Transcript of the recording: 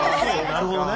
なるほどね。